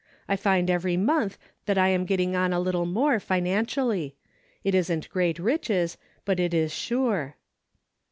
I find every month that I am getting on a little more financially. It isn't great riches, but it is sure."